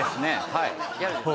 はいギャルですね